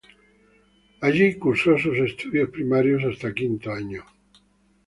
Allí cursó sus estudios primarios hasta quinto año.